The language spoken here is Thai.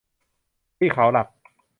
ที่เขาหลัก